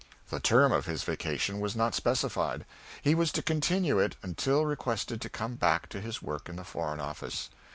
The term of his vacation was not specified; he was to continue it until requested to come back to his work in the Foreign Office.